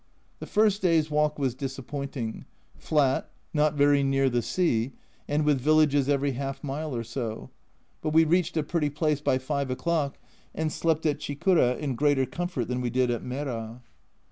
The first day's walk was disappointing, flat, not very near the sea, and with villages every half mile or so, but we reached a pretty place by 5 o'clock, and slept at Chikura in greater comfort than we did at Mera.